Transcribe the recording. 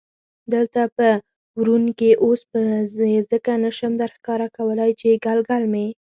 دلته په ورون کې، اوس یې ځکه نه شم درښکاره کولای چې ګلګل مې.